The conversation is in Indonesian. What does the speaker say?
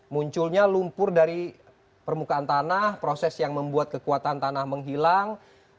munculnya lumpur dari permukaan tanah proses yang membuat kekuatan tanah menghilang